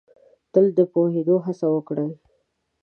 تل د پوهېدو هڅه وکړ ئ